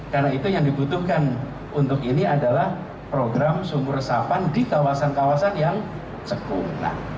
karena itu yang dibutuhkan untuk ini adalah program sumur resapan di kawasan kawasan yang cekung